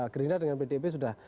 gerindra dengan pdip sudah